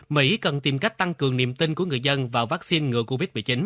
mỹ cần tìm cách tăng cường niềm tin của người dân vào vaccine ngừa covid một mươi chín